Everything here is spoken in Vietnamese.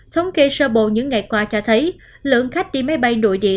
thống kê sơ bộ những ngày qua cho thấy lượng khách đi máy bay nội địa